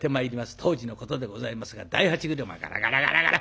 当時のことでございますが大八車ガラガラガラガラ。